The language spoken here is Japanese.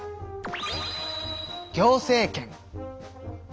行政権。